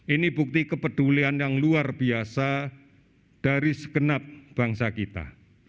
ini bukti kepedulian yang luar biasa dari segenap bangsa kita